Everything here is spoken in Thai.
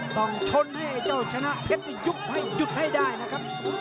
ต้องชนให้เจ้าชนะเพชรนี่ยุบให้หยุดให้ได้นะครับ